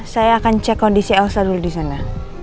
saya akan cek kondisi elsa dulu disana